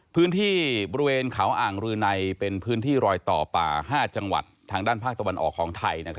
พื้นที่บริเวณเขาอ่างรืนัยเป็นพื้นที่รอยต่อป่า๕จังหวัดทางด้านภาคตะวันออกของไทย